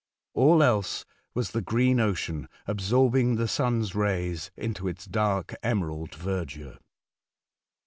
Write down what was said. All else was the green ocean absorbing the sun's rays into its dark emerald verdure.